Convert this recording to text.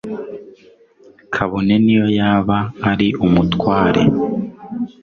kabone n'iyo yaba ari umutware